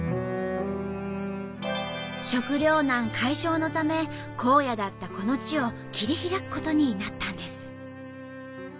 食糧難解消のため荒野だったこの地を切り開くことになったんです。